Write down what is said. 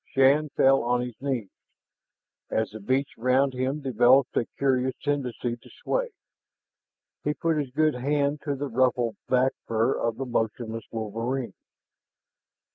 Shann fell on his knees, as the beach around him developed a curious tendency to sway. He put his good hand to the ruffled back fur of the motionless wolverine.